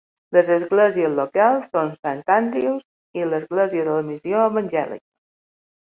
Les esglésies locals són Saint Andrews i l'església de la missió evangèlica.